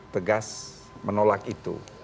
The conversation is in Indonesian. tegas menolak itu